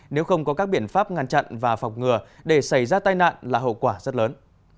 nếu không có các biện pháp ngăn chặn và phòng ngừa để xảy ra tai nạn là hậu quả rất lớn